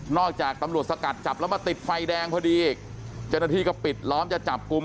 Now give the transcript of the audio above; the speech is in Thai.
จากตำรวจสกัดจับแล้วมาติดไฟแดงพอดีอีกเจ้าหน้าที่ก็ปิดล้อมจะจับกลุ่ม